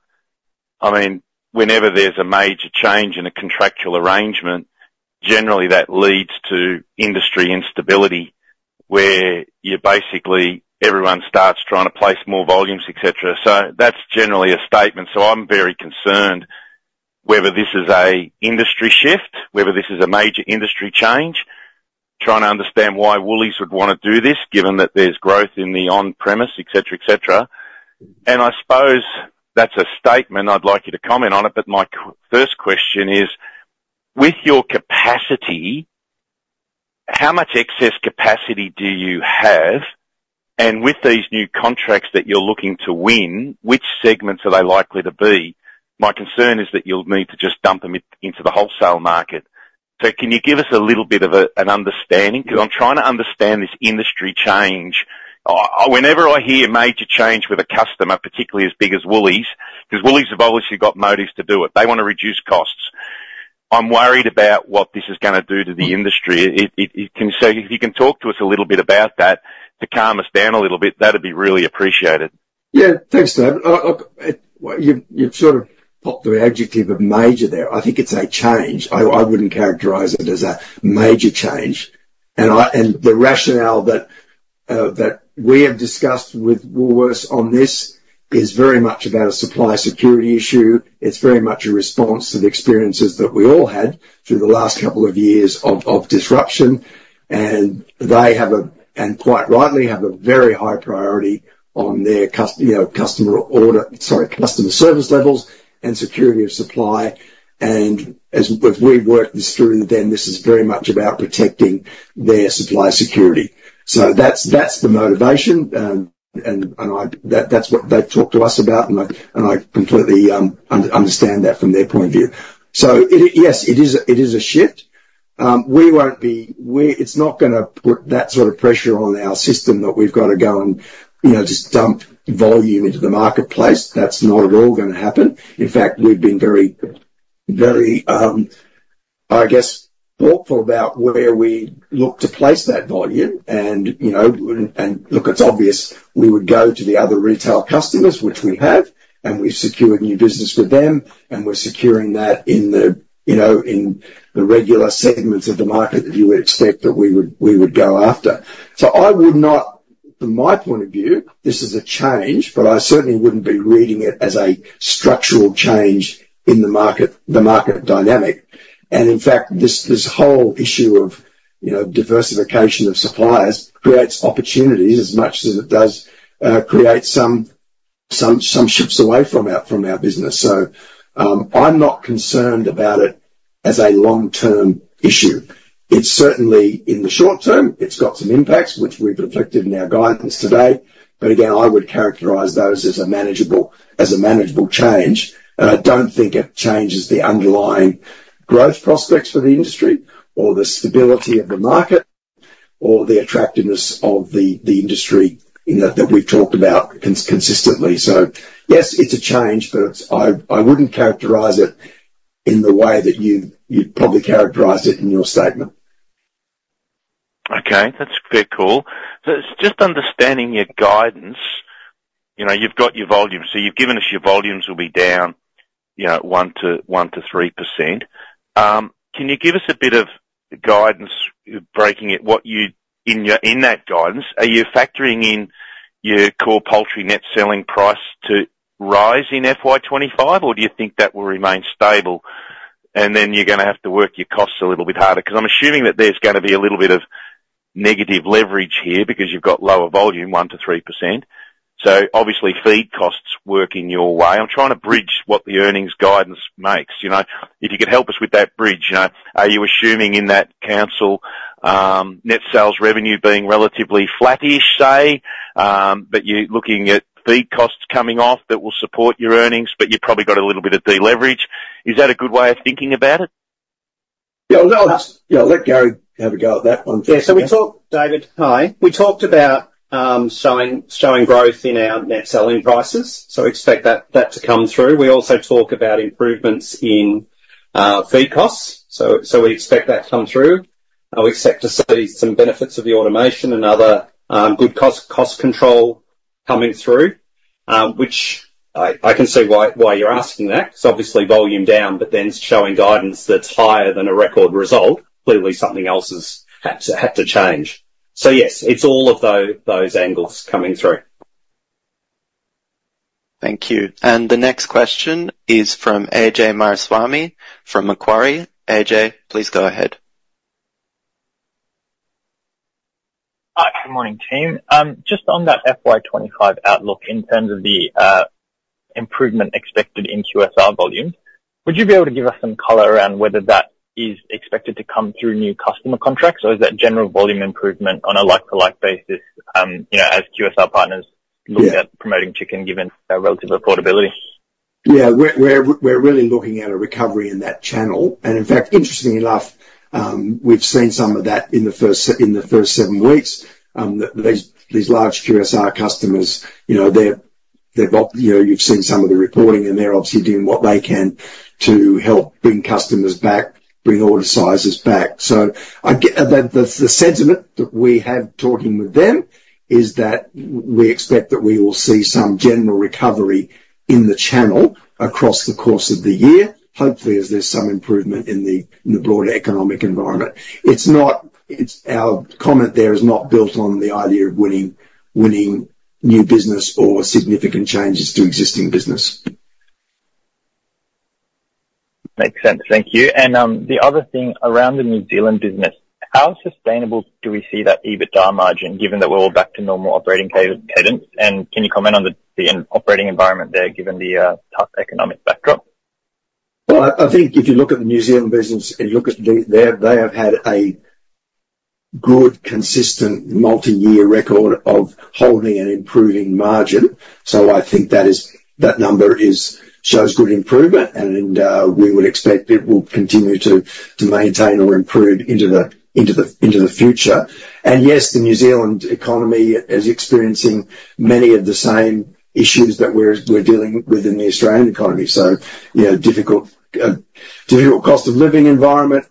I mean, whenever there's a major change in a contractual arrangement, generally that leads to industry instability, where you basically, everyone starts trying to place more volumes, et cetera. So that's generally a statement, so I'm very concerned whether this is a industry shift, whether this is a major industry change. Trying to understand why Woolies would wanna do this, given that there's growth in the on-premise, et cetera, et cetera. And I suppose that's a statement, I'd like you to comment on it, but my first question is: With your capacity, how much excess capacity do you have? And with these new contracts that you're looking to win, which segments are they likely to be? My concern is that you'll need to just dump them into the wholesale market, so can you give us a little bit of an understanding? 'Cause I'm trying to understand this industry change. Whenever I hear major change with a customer, particularly as big as Woolies, 'cause Woolies have obviously got motives to do it, they wanna reduce costs. I'm worried about what this is gonna do to the industry. It can, so if you can talk to us a little bit about that, to calm us down a little bit, that'd be really appreciated. Yeah, thanks, David. Look, well, you've sort of popped the adjective of major there. I think it's a change. I wouldn't characterize it as a major change. And the rationale that we have discussed with Woolworths on this is very much about a supply security issue. It's very much a response to the experiences that we all had through the last couple of years of disruption, and they have, and quite rightly, have a very high priority on their customer, you know, customer order, sorry, customer service levels and security of supply, and as we've worked this through then, this is very much about protecting their supply security. So that's the motivation, and I... That's what they talked to us about, and I completely understand that from their point of view. So yes, it is a shift. We won't be. It's not gonna put that sort of pressure on our system that we've got to go and, you know, just dump volume into the marketplace. That's not at all gonna happen. In fact, we've been very, very, I guess, thoughtful about where we look to place that volume and, you know, and look, it's obvious we would go to the other retail customers, which we have, and we've secured new business with them, and we're securing that in the, you know, in the regular segments of the market that you would expect that we would go after. So I would not, from my point of view, this is a change, but I certainly wouldn't be reading it as a structural change in the market, the market dynamic. And in fact, this whole issue of, you know, diversification of suppliers creates opportunities as much as it does create some shifts away from our business. So, I'm not concerned about it as a long-term issue. It's certainly, in the short term, it's got some impacts, which we've reflected in our guidance today. But again, I would characterize those as a manageable change, and I don't think it changes the underlying growth prospects for the industry or the stability of the market or the attractiveness of the industry, you know, that we've talked about consistently. So yes, it's a change, but I wouldn't characterize it in the way that you, you'd probably characterize it in your statement. Okay, that's very cool. So just understanding your guidance, you know, you've got your volumes. So you've given us your volumes will be down, you know, 1%-3%. Can you give us a bit of guidance, breaking it, what you... In your, in that guidance, are you factoring in your core poultry net selling price to rise in FY 2025 or do you think that will remain stable? And then you're gonna have to work your costs a little bit harder. 'Cause I'm assuming that there's gonna be a little bit of negative leverage here because you've got lower volume, 1%-3%. So obviously, feed costs work in your way. I'm trying to bridge what the earnings guidance makes, you know. If you could help us with that bridge, you know, are you assuming in that constant net sales revenue being relatively flattish, say, but you're looking at feed costs coming off that will support your earnings, but you've probably got a little bit of deleverage? Is that a good way of thinking about it? Yeah, well, I'll let Gary have a go at that one. Yeah, so we talked, David, hi. We talked about showing growth in our net selling prices, so expect that to come through. We also talk about improvements in feed costs, so we expect that to come through. We expect to see some benefits of the automation and other good cost control coming through, which I can see why you're asking that. It's obviously volume down, but then it's showing guidance that's higher than a record result. Clearly, something else is have to change. So yes, it's all of those angles coming through. Thank you. And the next question is from Ajay Mariaswamy from Macquarie. Ajay, please go ahead. Hi, good morning, team. Just on that FY 2025 outlook, in terms of the improvement expected in QSR volumes, would you be able to give us some color around whether that is expected to come through new customer contracts, or is that general volume improvement on a like-for-like basis, you know, as QSR partners- Yeah... look at promoting chicken given their relative affordability? Yeah, we're really looking at a recovery in that channel, and in fact, interestingly enough, we've seen some of that in the first seven weeks that these large QSR customers, you know, they've got, you know, you've seen some of the reporting, and they're obviously doing what they can to help bring customers back, bring order sizes back. So the sentiment that we have talking with them is that we expect that we will see some general recovery in the channel across the course of the year, hopefully as there's some improvement in the broader economic environment. It's not our comment there is not built on the idea of winning new business or significant changes to existing business. Makes sense. Thank you. And, the other thing around the New Zealand business, how sustainable do we see that EBITDA margin, given that we're all back to normal operating cadence? And can you comment on the operating environment there, given the tough economic backdrop? I think if you look at the New Zealand business and they have had a good, consistent, multi-year record of holding and improving margin. I think that number shows good improvement, and we would expect it will continue to maintain or improve into the future. Yes, the New Zealand economy is experiencing many of the same issues that we're dealing with in the Australian economy. You know, difficult cost of living environment,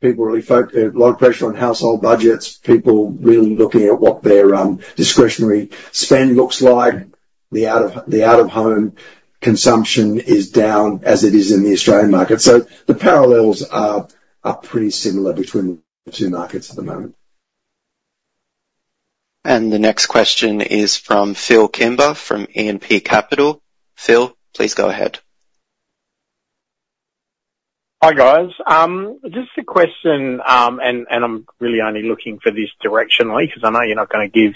people really facing a lot of pressure on household budgets, people really looking at what their discretionary spend looks like. The out-of-home consumption is down as it is in the Australian market. The parallels are pretty similar between the two markets at the moment. The next question is from Phil Kimber, from E&P Capital. Phil, please go ahead. Hi, guys. Just a question, and I'm really only looking for this directionally, 'cause I know you're not gonna give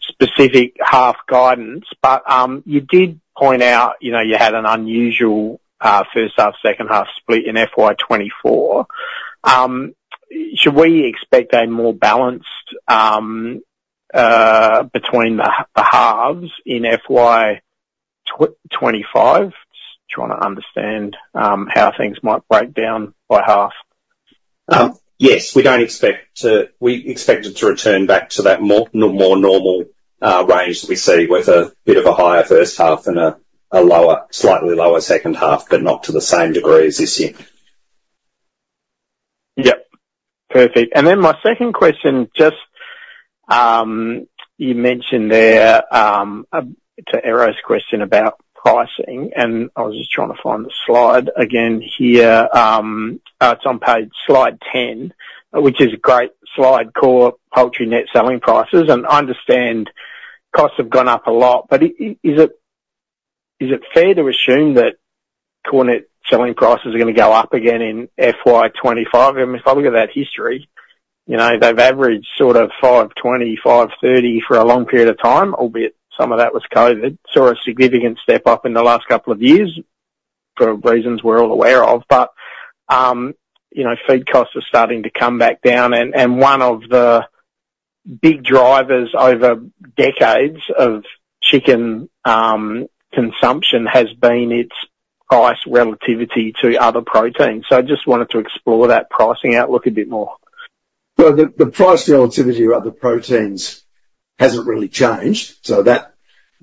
specific half guidance. But, you did point out, you know, you had an unusual, first half, second half split in FY 2024. Should we expect a more balanced, between the halves in FY 2025? Just trying to understand, how things might break down by half. Yes, we expect it to return back to that more normal range that we see, with a bit of a higher first half and a lower, slightly lower second half, but not to the same degree as this year. Yep. Perfect. And then my second question, just, you mentioned there, to Errington's question about pricing, and I was just trying to find the slide again here. It's on page, slide 10, which is a great slide, core poultry net selling prices, and I understand costs have gone up a lot. But is it, is it fair to assume that core net selling prices are gonna go up again in FY 2025? I mean, if I look at that history... You know, they've averaged sort of 5.20, 5.30 for a long period of time, albeit some of that was COVID. Saw a significant step up in the last couple of years for reasons we're all aware of. But, you know, feed costs are starting to come back down, and one of the big drivers over decades of chicken consumption has been its price relativity to other proteins. So I just wanted to explore that pricing outlook a bit more. The price relativity of other proteins hasn't really changed, so that,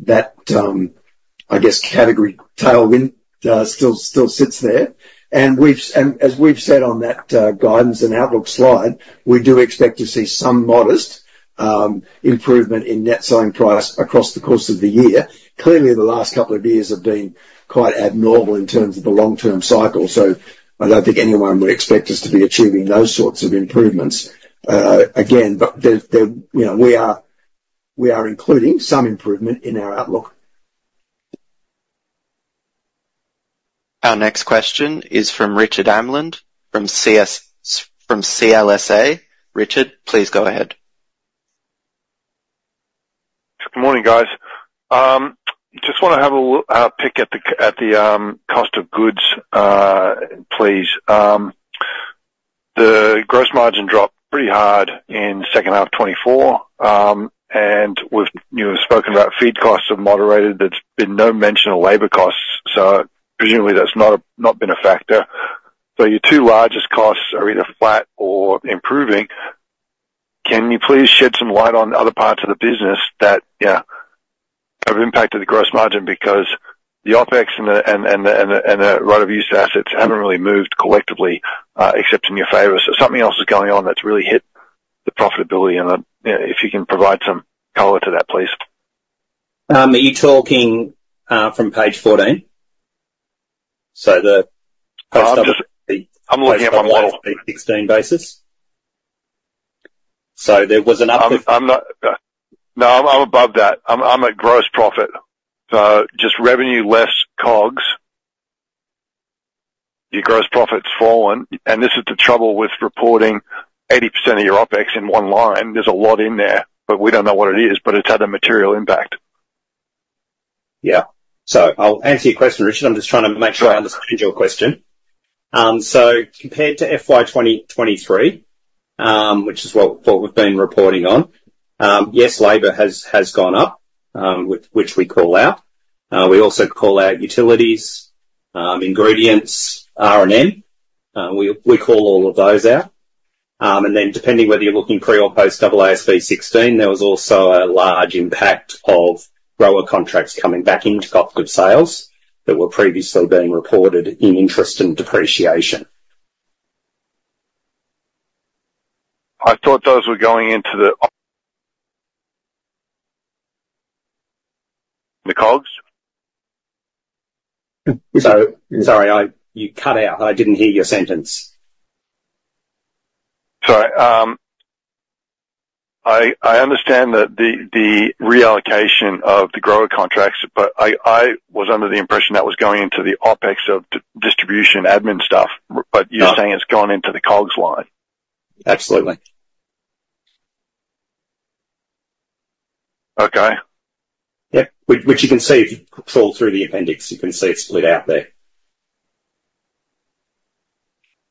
I guess, category tailwind still sits there. And as we've said on that guidance and outlook slide, we do expect to see some modest improvement in net selling price across the course of the year. Clearly, the last couple of years have been quite abnormal in terms of the long-term cycle, so I don't think anyone would expect us to be achieving those sorts of improvements again. But there, you know, we are including some improvement in our outlook. Our next question is from Richard Amland, from CLSA. Richard, please go ahead. Good morning, guys. Just want to have a look at the cost of goods, please. The gross margin dropped pretty hard in second half 2024, and we've, you know, spoken about feed costs have moderated. There's been no mention of labor costs, so presumably that's not been a factor. So your two largest costs are either flat or improving. Can you please shed some light on other parts of the business that have impacted the gross margin? Because the OpEx and the right-of-use assets haven't really moved collectively, except in your favor. So something else is going on that's really hit the profitability. If you can provide some color to that, please. Are you talking from page 14? So the- I'm just looking at my- 16 basis, so there was. No, I'm above that. I'm at gross profit. So just revenue less COGS, your gross profit's fallen, and this is the trouble with reporting 80% of your OpEx in one line. There's a lot in there, but we don't know what it is, but it's had a material impact. Yeah. So I'll answer your question, Richard. I'm just trying to make sure I understood your question. So compared to FY 2023, which is what we've been reporting on, yes, labor has gone up, which we call out. We also call out utilities, ingredients, R&M. We call all of those out. And then, depending on whether you're looking pre or post AASB 16, there was also a large impact of grower contracts coming back into cost of sales that were previously being reported in interest and depreciation. I thought those were going into the COGS? So sorry, you cut out. I didn't hear your sentence. Sorry. I understand that the reallocation of the grower contracts, but I was under the impression that was going into the OpEx of distribution admin stuff. No. You're saying it's gone into the COGS line? Absolutely. Okay. Yep. Which you can see if you scroll through the appendix, you can see it's split out there.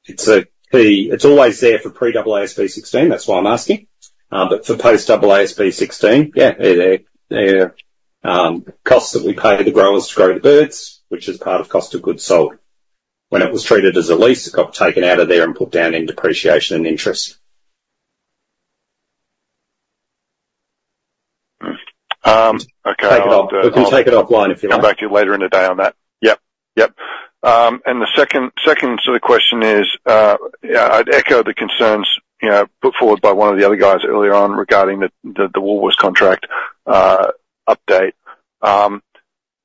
It's always there for pre-AASB 16, that's why I'm asking, but for post-AASB 16, yeah, they're costs that we pay the growers to grow the birds, which is part of cost of goods sold. When it was treated as a lease, it got taken out of there and put down in depreciation and interest. Um, okay. We can take it offline if you want. I'll come back to you later in the day on that. Yep, yep. And the second sort of question is, yeah, I'd echo the concerns, you know, put forward by one of the other guys earlier on regarding the Woolworths contract update.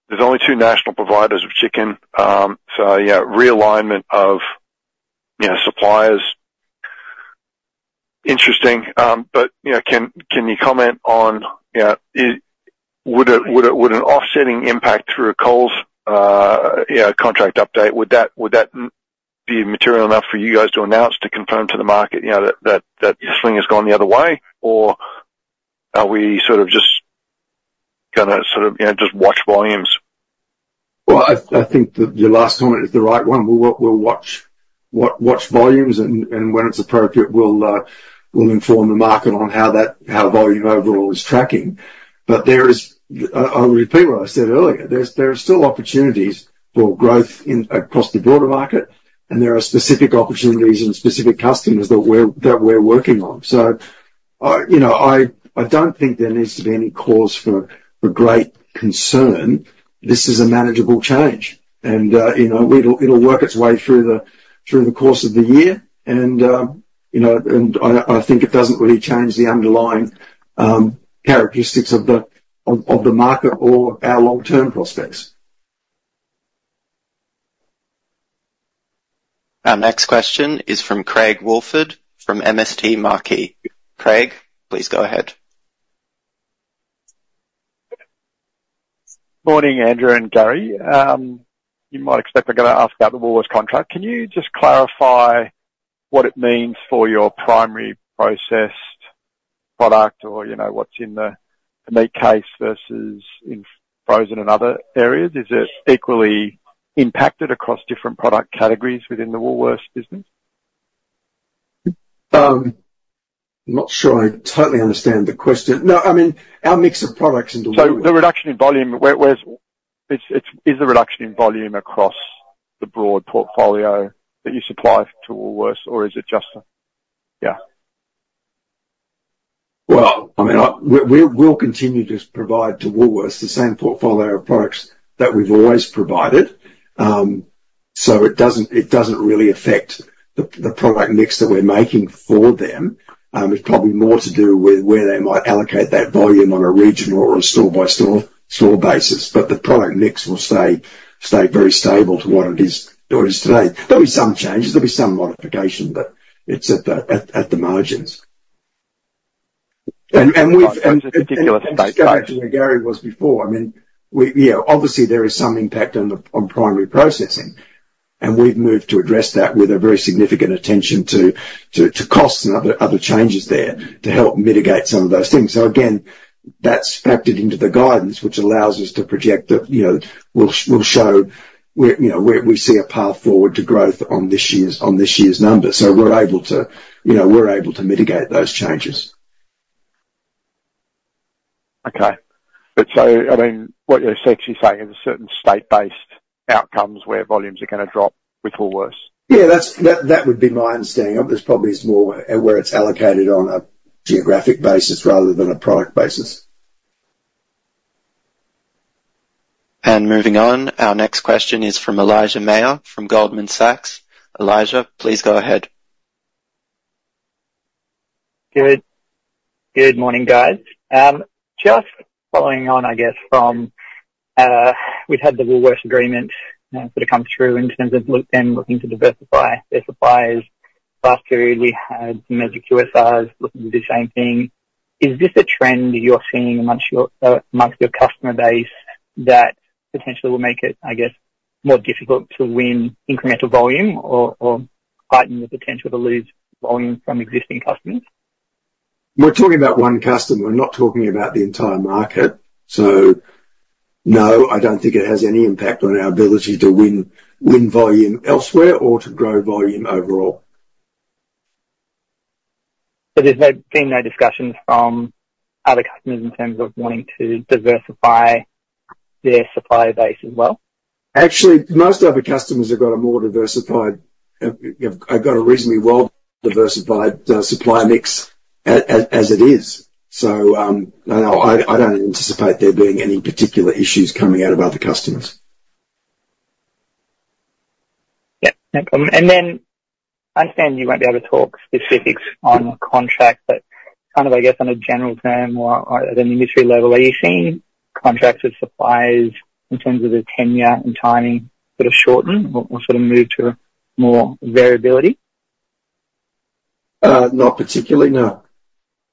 There's only two national providers of chicken, so, yeah, realignment of, you know, suppliers. Interesting, but, you know, can you comment on, you know, would an offsetting impact through a Coles contract update, would that be material enough for you guys to announce to confirm to the market, you know, that the swing has gone the other way? Or are we sort of just gonna, you know, just watch volumes? I think that your last comment is the right one. We'll watch volumes, and when it's appropriate, we'll inform the market on how that, how volume overall is tracking. But there is. I'll repeat what I said earlier, there are still opportunities for growth across the broader market, and there are specific opportunities and specific customers that we're working on. So, you know, I don't think there needs to be any cause for great concern. This is a manageable change, and, you know, it'll work its way through the course of the year, and, you know, and I think it doesn't really change the underlying characteristics of the market or our long-term prospects. Our next question is from Craig Woolford, from MST Marquee. Craig, please go ahead. Morning, Andrew and Gary. You might expect I'm gonna ask about the Woolworths contract. Can you just clarify what it means for your primary processed product or, you know, what's in the meat case versus in frozen and other areas? Is it equally impacted across different product categories within the Woolworths business? I'm not sure I totally understand the question. No, I mean, our mix of products in- The reduction in volume, where's it? Is the reduction in volume across the broad portfolio that you supply to Woolworths, or is it just the... Yeah. Well, I mean, we, we'll continue to provide to Woolworths the same portfolio of products that we've always provided. So it doesn't really affect the product mix that we're making for them. It's probably more to do with where they might allocate that volume on a regional or a store-by-store basis, but the product mix will stay very stable to what it is today. There'll be some changes, there'll be some modification, but it's at the margins. And we've- And particular state- Just going back to where Gary was before, I mean, we, you know, obviously there is some impact on the, on primary processing, and we've moved to address that with a very significant attention to costs and other changes there to help mitigate some of those things. So again, that's factored into the guidance, which allows us to project that, you know, we'll we'll show where, you know, where we see a path forward to growth on this year's numbers. So we're able to, you know, mitigate those changes. Okay. But so, I mean, what you're essentially saying is certain state-based outcomes where volumes are gonna drop with Woolworths? Yeah, that's, that would be my understanding of it. It's probably is more where it's allocated on a geographic basis rather than a product basis. And moving on, our next question is from Elijah Mayr from Goldman Sachs. Elijah, please go ahead. Good morning, guys. Just following on, I guess from, we've had the Woolworths agreement sort of come through in terms of them looking to diversify their suppliers. Last period, we had major QSRs looking to do the same thing. Is this a trend you're seeing amongst your customer base that potentially will make it, I guess, more difficult to win incremental volume or heighten the potential to lose volume from existing customers? We're talking about one customer, we're not talking about the entire market, so no, I don't think it has any impact on our ability to win volume elsewhere or to grow volume overall. So there's been no discussions from other customers in terms of wanting to diversify their supplier base as well? Actually, most other customers have got a more diversified, have got a reasonably well-diversified supplier mix as it is. So, no, I don't anticipate there being any particular issues coming out of other customers. Yeah, no problem. And then I understand you won't be able to talk specifics on the contract, but kind of, I guess, on a general term or, or at an industry level, are you seeing contracts with suppliers in terms of their tenure and timing sort of shorten or, or sort of move to more variability? Not particularly, no.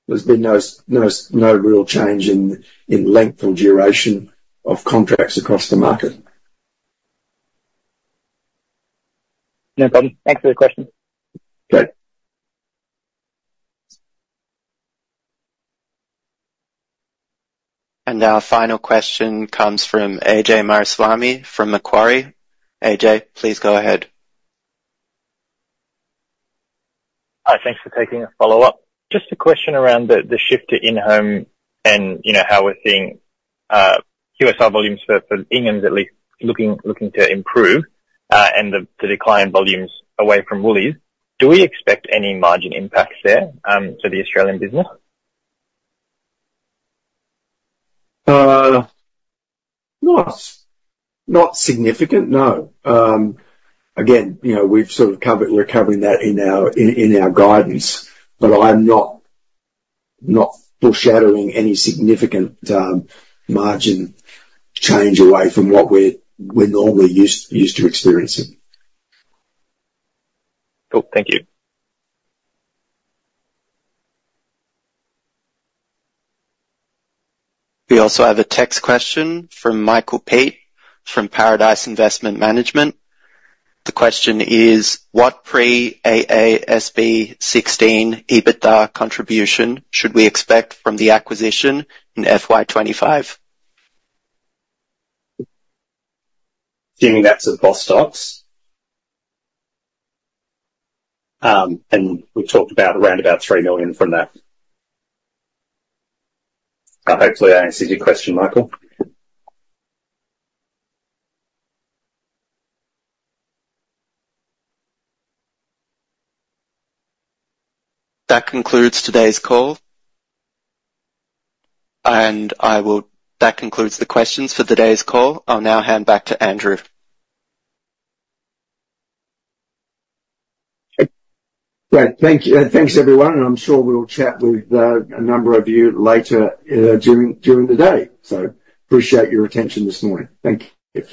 There's been no real change in length or duration of contracts across the market. No problem. Thanks for the question. Great. Our final question comes from Ajay Mariswamy from Macquarie. Ajay, please go ahead. Hi, thanks for taking a follow-up. Just a question around the shift to in-home and, you know, how we're seeing QSR volumes for Inghams at least looking to improve, and the decline in volumes away from Woolies. Do we expect any margin impacts there to the Australian business? Not significant, no. Again, you know, we've sort of covered, we're covering that in our guidance, but I'm not foreshadowing any significant margin change away from what we're normally used to experiencing. Cool. Thank you. We also have a text question from Michael Peet, from Paradice Investment Management. The question is: What pre-AASB 16 EBITDA contribution should we expect from the acquisition in FY 2025? Assuming that's Bostock's? And we've talked about around about 3 million from that. Hopefully, that answers your question, Michael. That concludes the questions for today's call. I'll now hand back to Andrew. Great, thank you. Thanks, everyone, and I'm sure we'll chat with a number of you later during the day. So appreciate your attention this morning. Thank you.